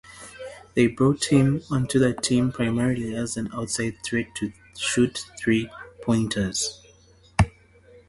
They brought him onto the team primarily as an outside threat to shoot three-pointers.